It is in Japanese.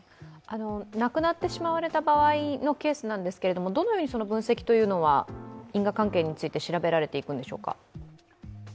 亡くなってしまわれた場合のケースなんですけれども、どのように分析というのは因果関係について調べられていくんでしょうか。